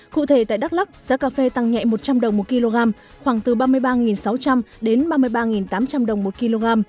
cụ thể tại đắk lắc giá cà phê tăng nhẹ một trăm linh đồng một kg khoảng từ ba mươi ba sáu trăm linh đến ba mươi ba tám trăm linh đồng một kg